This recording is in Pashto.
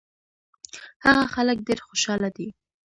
هغه خلک ډېر خوشاله دي.